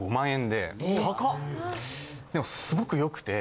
でもすごく良くて。